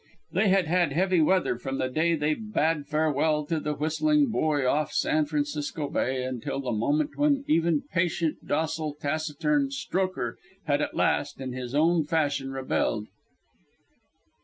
They had had heavy weather from the day they bade farewell to the whistling buoy off San Francisco Bay until the moment when even patient, docile, taciturn Strokher had at last in his own fashion rebelled.